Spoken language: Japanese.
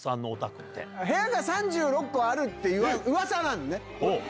部屋が３６個あるってうわさなのね。